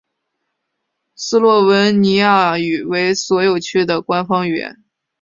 斯洛文尼亚语为所有区的官方语言。